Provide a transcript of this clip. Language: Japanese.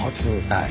はい。